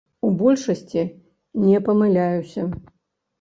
У большасці не памыляюся.